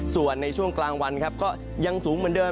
ส่วนในช่วงกลางวันครับก็ยังสูงเหมือนเดิม